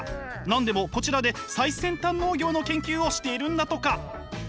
何でもこちらで最先端農業の研究をしているんだとか。